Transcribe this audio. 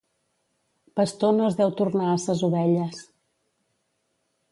Pastor no es deu tornar a ses ovelles.